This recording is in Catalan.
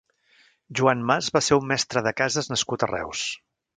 Joan Mas va ser un mestre de cases nascut a Reus.